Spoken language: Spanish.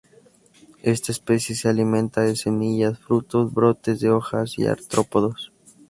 Esta especie se alimenta de semillas, frutos, brotes de hojas, y artrópodos.